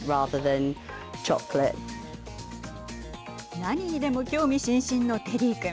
何にでも興味津々のテディ君。